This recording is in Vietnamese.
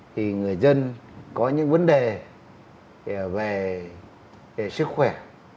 thì người dân có những vấn đề về sức khỏe